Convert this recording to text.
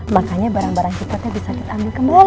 makanya barang barang sifatnya bisa kita ambil kembali